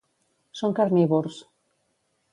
Són carnívors.